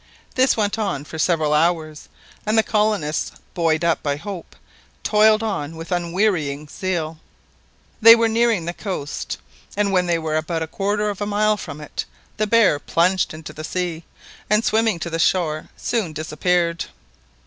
This went on for several hours, and the colonists, buoyed up by hope, toiled on with unwearying zeal. They were nearing the coast, and when they were about a quarter of a mile from it, the bear plunged into the sea, and swimming to the shore, soon disappeared.